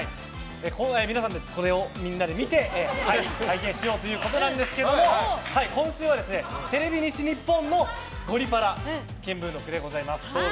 皆さんでこれを見て体験しようということなんですが今週はテレビ西日本の「ゴリパラ見聞録」でございます。